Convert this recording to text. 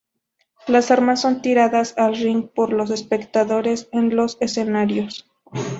Las armas son tiradas al ring por los espectadores en los escenarios.